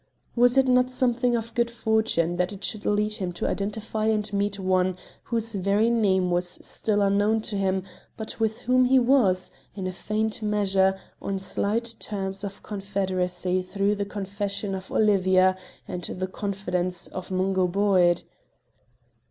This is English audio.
Was it not something of good fortune that it should lead him to identify and meet one whose very name was still unknown to him, but with whom he was, in a faint measure, on slight terms of confederacy through the confession of Olivia and the confidence of Mungo Boyd?